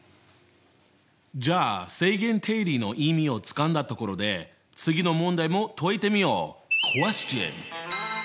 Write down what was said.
じゃあ正弦定理の意味をつかんだところで次の問題も解いてみよう。